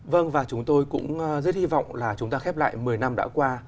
vâng và chúng tôi cũng rất hy vọng là chúng ta khép lại một mươi năm đã qua